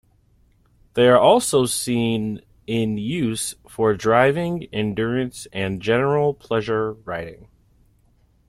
They are also seen in use for driving, endurance and general pleasure riding.